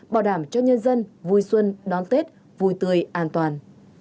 bảo đảm cho nhân dân vui xuân đón tết vui tươi an toàn